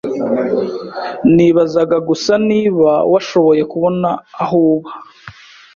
Nibazaga gusa niba washoboye kubona aho uba.